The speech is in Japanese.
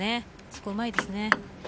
そこうまいですね。